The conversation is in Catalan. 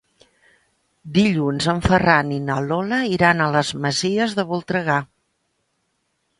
Dilluns en Ferran i na Lola iran a les Masies de Voltregà.